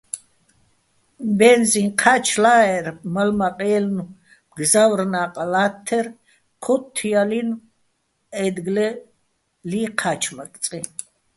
ბენზიჼ ჴა́ჩლა́ერ, მალ-მაყჲე́ჲლნო̆ მგზავრ ნა́ყა ლა́თთერ ქოთთჲალინო̆ ა́ჲდგლი ჴა́ჩმაკწიჼ.